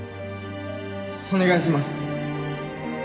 お願いします。